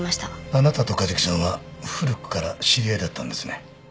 あなたと梶木さんは古くから知り合いだったんですね？